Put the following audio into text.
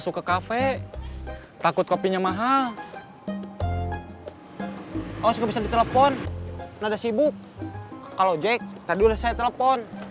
oh jake tadi udah saya telepon